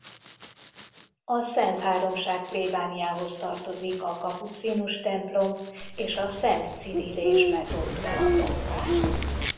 A Szentháromság plébániához tartozik a Kapucinus-templom és a Szent Cirill és Metód-templom.